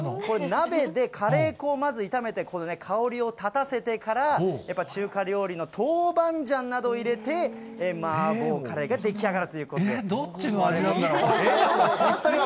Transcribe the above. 鍋でカレー粉をまず炒めて、この香りを立たせてから、中華料理のトウバンジャンなどを入れて麻婆カレーが出来上がるとどっちの味なんだろう？